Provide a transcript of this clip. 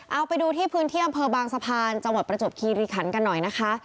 เอาไปดูที่พื้นที่อำเภอบางสะพานจังหวัดประจวบคีรีคันกันหน่อยนะคะ